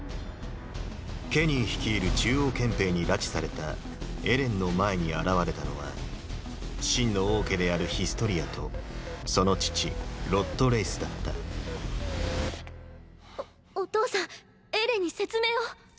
ケニー率いる中央憲兵に拉致されたエレンの前に現れたのは真の王家であるヒストリアとその父ロッド・レイスだったおお父さんエレンに説明を。